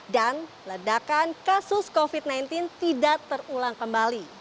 dan ledakan kasus covid sembilan belas tidak terulang kembali